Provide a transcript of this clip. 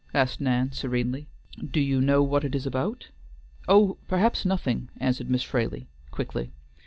asked Nan, serenely. "Do you know what it is about?" "Oh, perhaps nothing," answered Miss Fraley, quickly.